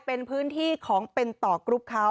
เป็นพื้นที่ของเป็นต่อกรุ๊ปเขา